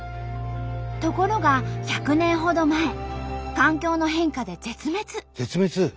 ところが１００年ほど前環境の変化で絶滅。